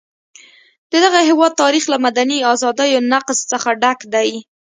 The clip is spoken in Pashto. د دغه هېواد تاریخ له مدني ازادیو نقض څخه ډک دی.